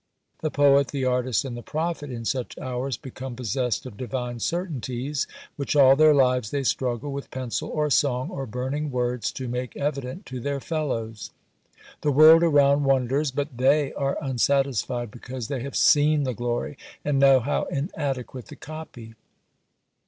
The poet, the artist, and the prophet in such hours become possessed of divine certainties, which all their lives they struggle, with pencil or song, or burning words, to make evident to their fellows. The world around wonders, but they are unsatisfied, because they have seen the glory and know how inadequate the copy.